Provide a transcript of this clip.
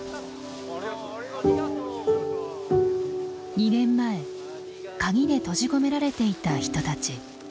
２年前鍵で閉じ込められていた人たち。